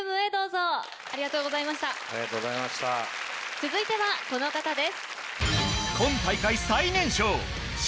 続いてはこの方です。